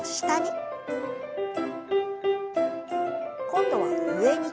今度は上に。